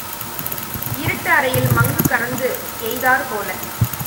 இருட்டு அறையில் மங்கு கறந்து எய்த்தாற் போல.